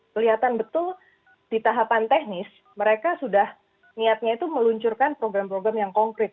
kelihatan betul di tahapan teknis mereka sudah niatnya itu meluncurkan program program yang konkret